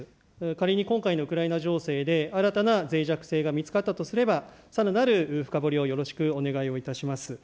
仮に今回のウクライナ情勢で、新たなぜい弱性が見つかったとすれば、さらなる深掘りをよろしくお願いいたします。